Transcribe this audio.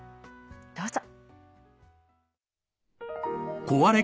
どうぞ。